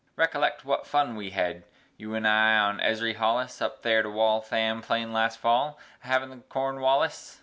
Recollect wut fun we hed, you'n I on' Ezry Hollis, Up there to Waltham plain last fall, ahavin' the Cornwallis?